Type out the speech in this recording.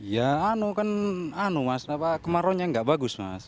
ya anu kan anu mas kemarau nya nggak bagus mas